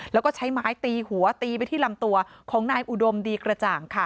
แล้วก็ใช้ไม้ตีหัวตีไปที่ลำตัวของนายอุดมดีกระจ่างค่ะ